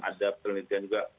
ada penelitian juga